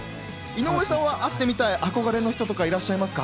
井上さんは会ってみたい憧れの人とかいらっしゃいますか？